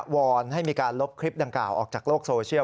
อนให้มีการลบคลิปดังกล่าวออกจากโลกโซเชียล